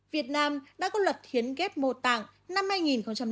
việt nam đã có luật hiến ghép mô tạng năm hai nghìn sáu